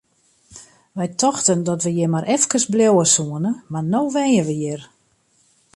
Wy tochten dat we hjir mar efkes bliuwe soene, mar no wenje we hjir!